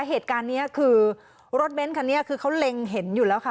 เหตุการณ์นี้คือรถเบ้นคันนี้คือเขาเล็งเห็นอยู่แล้วค่ะ